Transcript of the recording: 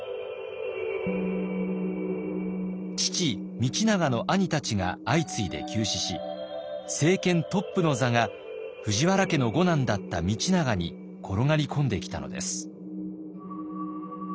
父道長の兄たちが相次いで急死し政権トップの座が藤原家の五男だった道長に転がり込んできたのです。